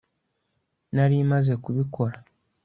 nari maze kubikora